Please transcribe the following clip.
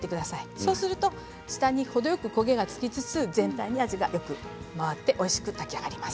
そうすると下に程よく焦げが付きつつ全体に味が回っておいしく炊き上がります。